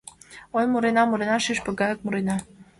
Ой, мурена, мурена, шӱшпык гаяк мурена.